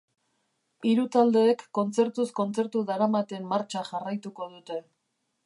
Hiru taldeek kontzertuz kontzertu daramaten martxa jarraituko dute.